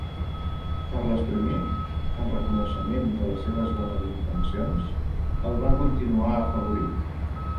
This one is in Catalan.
Carles I, en reconeixement de les seves bones intencions, el va continuar afavorint.